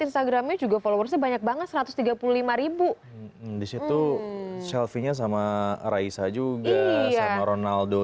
instagramnya juga followersnya banyak banget satu ratus tiga puluh lima ribu disitu selfie nya sama raisa juga sama ronaldo